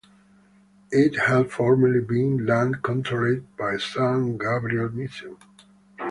It had formerly been land controlled by San Gabriel Mission.